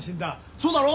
そうだろ？